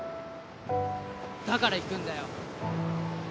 だから行くんだよ。